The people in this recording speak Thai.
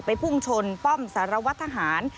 พุ่งชนป้อมสารวัตรทหาร